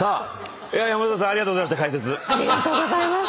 山添さんありがとうございました解説。